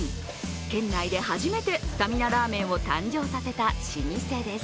県内で初めてスタミナラーメンを誕生させた老舗です。